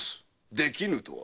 「できぬ」とは？